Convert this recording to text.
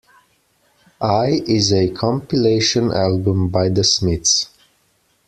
I is a compilation album by The Smiths.